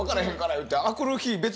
言うて。